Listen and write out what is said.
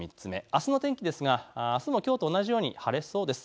あすの天気ですがあすもきょうと同じように晴れそうです。